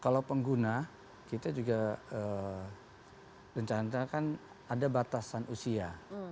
kalau pengguna kita juga rencana kan ada batasan usia